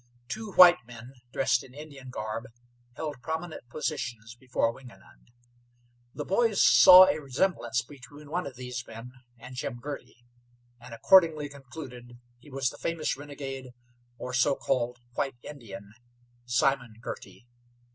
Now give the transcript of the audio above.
Two white men, dressed in Indian garb, held prominent positions before Wingenund. The boys saw a resemblance between one of these men and Jim Girty, and accordingly concluded he was the famous renegade, or so called white Indian, Simon Girty.